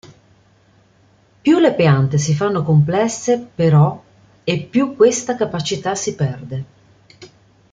Più le piante si fanno complesse però, e più questa capacità si perde.